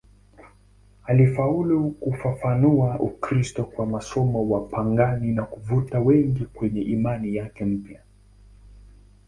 Alifaulu kufafanua Ukristo kwa wasomi wapagani na kuvuta wengi kwenye imani yake mpya.